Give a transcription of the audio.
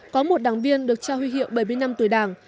có một đảng viên được trao huy hiệu bảy mươi năm tuổi đảng